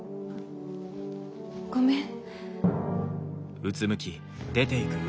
ごめん。